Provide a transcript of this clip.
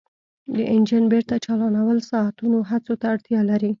د انجن بیرته چالانول ساعتونو هڅو ته اړتیا لري